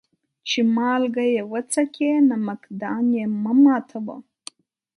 چي مالگه يې وڅکې ، نمک دان يې مه ماتوه.